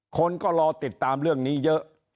คนก็รอติดตามเรื่องนี้เยอะ